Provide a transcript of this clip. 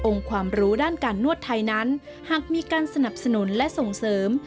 ความรู้ด้านการนวดไทยนั้นหากมีการสนับสนุนและส่งเสริม